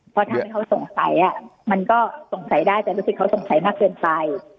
เพราะทำให้เขาสงสัยมันก็สงสัยได้แต่รู้สึกเขาสงสัยมากเกินไป